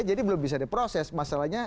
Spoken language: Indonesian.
jadi belum bisa diproses masalahnya